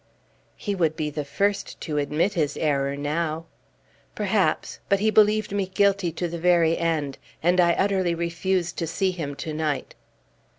"He would be the first to admit his error now." "Perhaps; but he believed me guilty to the very end; and I utterly refuse to see him to night."